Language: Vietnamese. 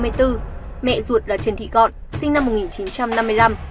mẹ ruột là trần thị cọn sinh năm một nghìn chín trăm năm mươi năm